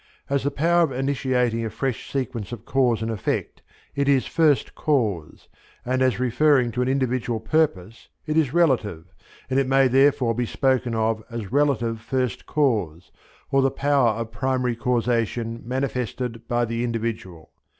As the power of initiating a fresh sequence of cause and effect it is first cause, and as referring to an individual purpose it is relative, and it may therefore be spoken of as relative first cause, or the power of primary causation manifested by the individual.